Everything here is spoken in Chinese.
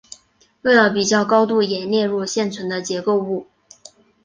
为了比较高度也列入现存的结构物。